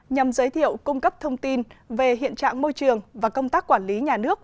nhằm giới thiệu cung cấp thông tin về hiện trạng môi trường và công tác quản lý nhà nước